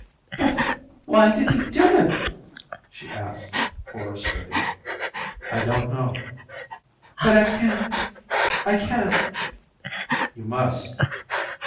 "But why did he do it?" she asked, horror stricken. "I don't know." "But I can't. I can't." "You must."